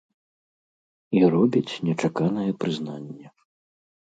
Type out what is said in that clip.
І робіць нечаканае прызнанне.